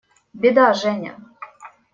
Беда, Женя!